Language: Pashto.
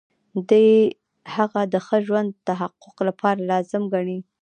دی هغه د ښه ژوند د تحقق لپاره لازم ګڼي.